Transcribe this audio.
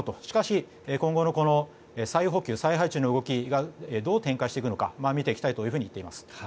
しかし、今後の再補給、再配置の動きがどう展開していくのか見ていきたいとしています。